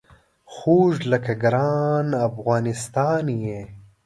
خوږ لکه ګران افغانستان یې